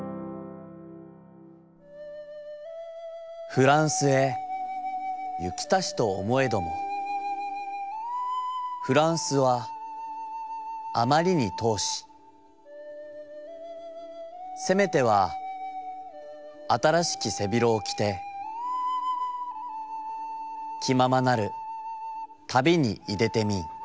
「ふらんすへ行きたしと思へどもふらんすはあまりに遠しせめては新しき背広をきてきままなる旅にいでてみん。